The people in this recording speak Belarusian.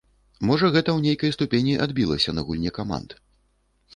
Можа гэта ў нейкай ступені адбілася на гульне каманд.